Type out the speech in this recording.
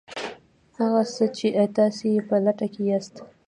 هغه څه چې تاسې یې په لټه کې یاست